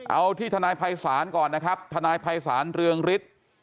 เอาที่ธนายไพศาลก่อนนะครับธนายไพศาลเรืองริสต์